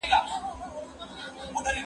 هغوی ته ئې عفو وکړه.